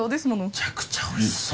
むちゃくちゃおいしそう。